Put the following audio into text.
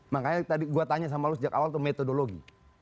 makanya tadi gue tanya sama lo sejak awal itu metodologi